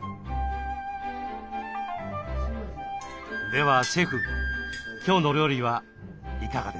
ではシェフ今日の料理はいかがですか？